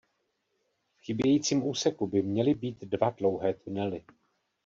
V chybějícím úseku by měly být dva dlouhé tunely.